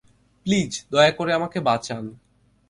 Please দয়া করে আমাকে বাঁচান।